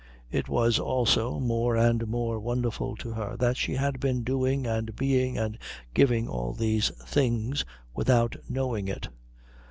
It was, also, more and more wonderful to her that she had been doing and being and giving all these things without knowing it.